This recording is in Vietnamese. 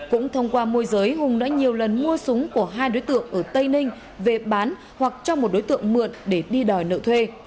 cũng thông qua môi giới hùng đã nhiều lần mua súng của hai đối tượng ở tây ninh về bán hoặc cho một đối tượng mượn để đi đòi nợ thuê